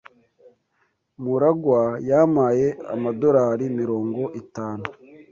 MuragwA yampaye amadorari mirongo itanu